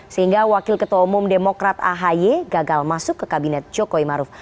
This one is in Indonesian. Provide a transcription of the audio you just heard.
sehingga wakil ketua umum demokrat ahi gagal masuk ke kabinet jokowi maruf